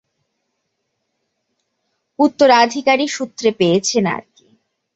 উত্তরাধিকারীসূত্রে পেয়েছে আরকি।